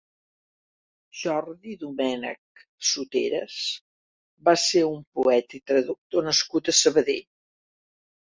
Jordi Domènech Soteras va ser un poeta i traductor nascut a Sabadell.